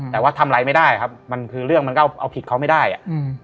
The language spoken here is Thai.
แต่ว่าทำอะไรไม่ได้ครับมันคือเรื่องมันก็เอาผิดเขาไม่ได้อ่ะอืม